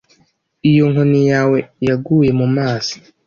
Iyo inkoni yawe yaguye mumazi